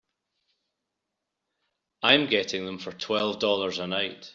I'm getting them for twelve dollars a night.